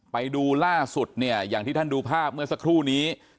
ไปดูล่าสุดเนี่ยอย่างที่ท่านดูภาพเมื่อสักครู่นี้